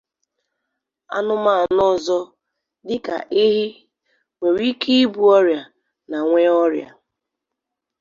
Anumanu ọzọ, dịka ehi, nwere ike ịbu ọrịa na nwee ọrịa.